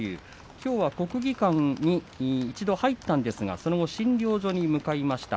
きょうは国技館に一度入ったんですがその後診療所に向かいました。